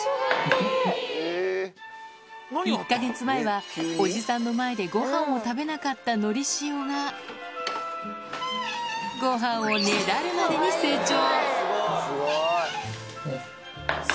１か月前はおじさんの前でごはんを食べなかったのりしおが、ごはんをねだるまでに成長。